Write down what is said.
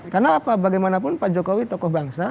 karena bagaimanapun pak jokowi tokoh bangsa